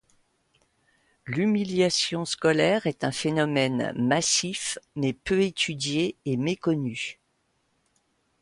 L'humiliation scolaire est un phénomène massif, mais peu étudié et méconnu.